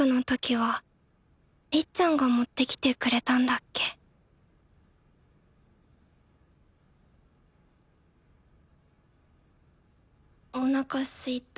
はりっちゃんが持ってきてくれたんだっけおなかすいた。